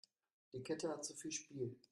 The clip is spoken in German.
Die Kette hat zu viel Spiel.